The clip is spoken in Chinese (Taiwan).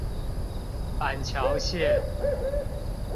板橋線